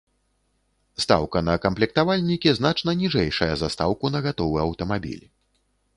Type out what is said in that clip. Стаўка на камплектавальнікі значна ніжэйшая за стаўку на гатовы аўтамабіль.